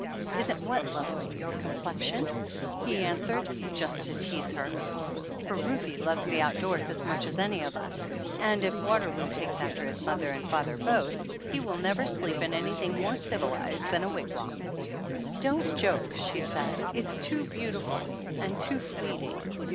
"Isn't what lovely, your complexion?" he an 204. THE ANNALS OF ANN swered, just to tease her, for Rufe loves the outdoors as much as any of us, and if Water loo takes after his mother and father both, he will never sleep in anything more civilized than a wigwam. "Don't joke," she said. "It's too beautiful and too fleeting